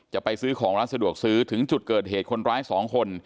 จะไปซื้อของร้านสะดวกซื้อถึงจุดเกิดเหตุคนร้ายสองคน